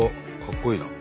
かっこいいな。